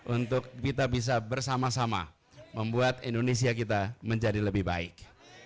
untuk kita bisa bersama sama membuat indonesia kita menjadi lebih baik